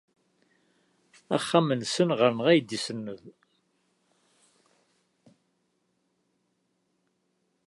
Axxam-nsen ɣer-neɣ ay d-isenned.